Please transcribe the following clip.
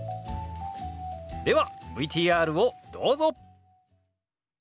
ではＶＴＲをどうぞ！